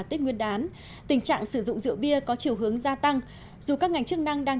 tết nguyên đán tình trạng sử dụng rượu bia có chiều hướng gia tăng dù các ngành chức năng đang